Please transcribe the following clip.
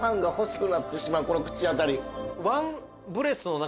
この口当たり。